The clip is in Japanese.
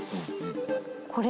これ。